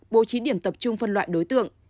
bố trí điểm tập trung phân loại đối tượng